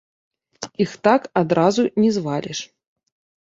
Іх так адразу не зваліш.